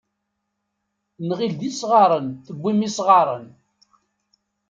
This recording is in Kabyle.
Nɣil d isɣaren tewwim isɣaren.